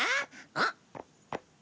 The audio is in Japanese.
あっ！